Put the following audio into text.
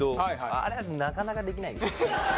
あれはなかなかできないですよ